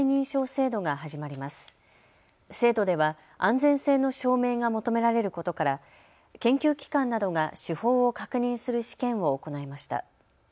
制度では安全性の証明が求められることから研究機関などが手法を確認する試験を行いました。